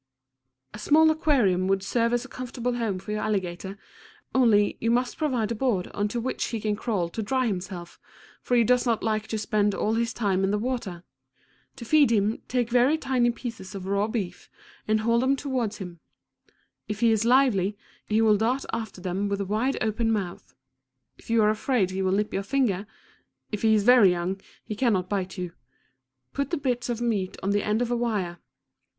A small aquarium would serve as a comfortable home for your alligator, only you must provide a board on to which he can crawl to dry himself, for he does not like to spend all his time in the water. To feed him, take very tiny pieces of raw beef, and hold them toward him. If he is lively, he will dart after them with wide open mouth. If you are afraid he will nip your finger if he is very young he can not bite you put the bits of meat on the end of a wire.